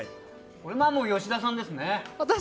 これは吉田さんですね。